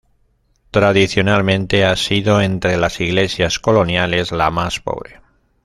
Tradicionalmente ha sido entre las iglesias coloniales, la más pobre.